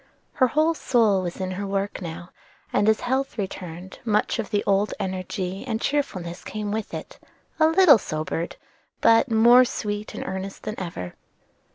Her whole soul was in her work now, and as health returned, much of the old energy and cheerfulness came with it, a little sobered, but more sweet and earnest than ever.